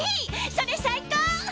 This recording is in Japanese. それ最高！